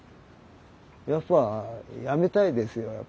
やっぱやめたいですよ